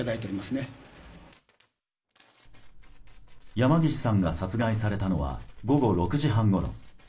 山岸さんが殺害されたのは午後６時半ごろ。